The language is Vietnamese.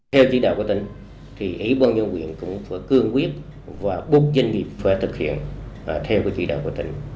theo chỉ đạo của tỉnh thì ủy ban nhân quyền cũng phải cương quyết và buộc doanh nghiệp phải thực hiện theo chỉ đạo của tỉnh